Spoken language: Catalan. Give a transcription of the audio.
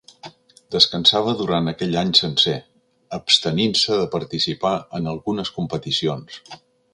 Descansava durant aquell any sencer, abstenint-se de participar en algunes competicions.